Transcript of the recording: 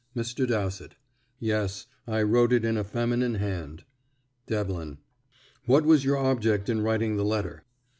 Mr. Dowsett: "Yes; I wrote it in a feminine hand." Devlin: "What was your object in writing the letter?"